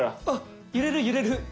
あっ揺れる揺れる。